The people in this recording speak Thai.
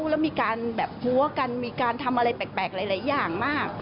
แล้วมีการแบบหัวกันมีการทำอะไรแปลกหลายอย่างมาก